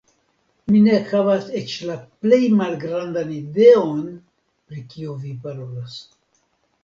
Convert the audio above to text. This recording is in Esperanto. Mi ne havas eĉ la plej malgrandan ideon pri kio vi parolas.